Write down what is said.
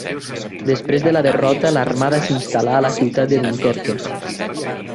Després de la derrota de l'armada s'instal·là a la ciutat de Dunkerque.